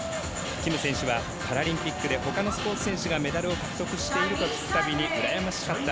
キム選手は「パラリンピックでほかのスポーツ選手がメダルを獲得していると聞くたびに、うらやましかった。